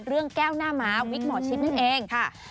เรื่องแก้วหน้าม้าวิกหมอชิดนั่นเองค่ะ